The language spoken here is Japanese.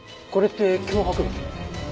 これって脅迫文？